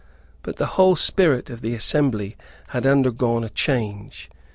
But the whole spirit of the assembly had undergone a change.